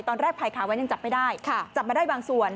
ตอนแรกภัยขาแว้นยังจับไม่ได้จับมาได้บางส่วน